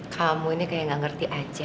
kamu ini kayak gak ngerti aja